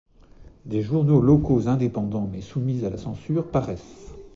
Des journaux locaux indépendants mais soumis à la censure paraissent.